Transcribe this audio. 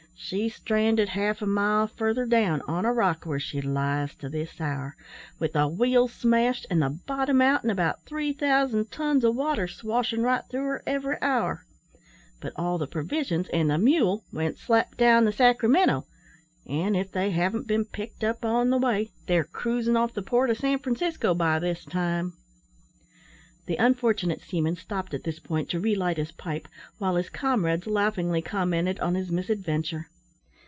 She stranded half a mile further down, on a rock, where she lies to this hour, with a wheel smashed and the bottom out, and about three thousand tons o' water swashin' right through her every hour; but all the provisions and the mule went slap down the Sacramento; an', if they haven't bin' picked up on the way, they're cruisin' off the port o' San Francisco by this time." The unfortunate seaman stopped at this point to relight his pipe, while his comrades laughingly commented on his misadventure.